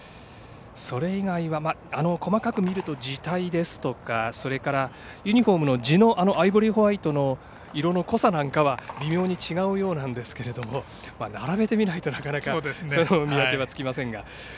それ以外は細かく見ると字体やユニフォームのアイボリーホワイトの色の濃さは微妙に違うようなんですが並べてみないとなかなか見分けがつきません。